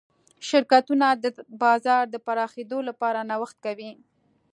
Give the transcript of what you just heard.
شرکتونه د بازار د پراخېدو لپاره نوښت کوي.